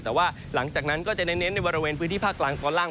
แต่ว่าหลังจากนั้นก็จะเน้นในบริเวณพื้นที่ภาคกลางตอนล่าง